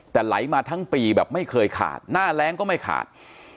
แต่ไหลมาทั้งปีแบบไม่เคยขาดหน้าแรงก็ไม่ขาด